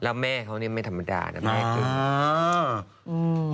แล้วแม่เขานี่ไม่ธรรมดานะแม่คือ